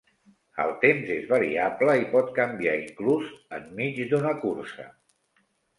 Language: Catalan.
El temps és variable i pot canviar inclús enmig d'una cursa.